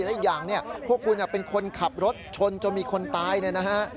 แล้วยังพวกคุณเป็นคนขับรถชนจนมีคนตายเลยนะฮะ